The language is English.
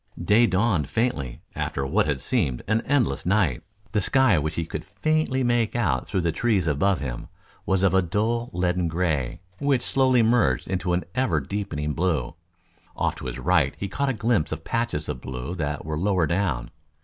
Day dawned faintly after what had seemed an endless night. The sky which he could faintly make out through the trees above him, was of a dull leaden gray, which slowly merged into an ever deepening blue. Off to his right he caught glimpses of patches of blue that were lower down.